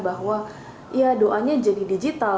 bahwa doanya jadi digital